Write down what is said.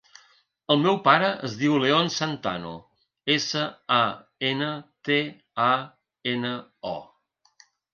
El meu pare es diu León Santano: essa, a, ena, te, a, ena, o.